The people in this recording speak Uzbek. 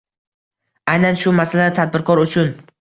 Aynan shu masala tadbirkor uchun